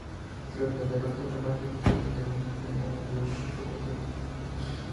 Tras la derrota naval de Quíos, León enfermó y murió al poco tiempo.